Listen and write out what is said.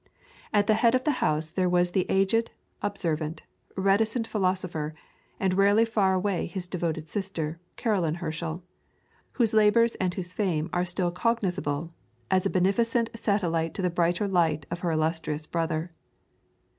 At the head of the house there was the aged, observant, reticent philosopher, and rarely far away his devoted sister, Caroline Herschel, whose labours and whose fame are still cognisable as a beneficent satellite to the brighter light of her illustrious brother.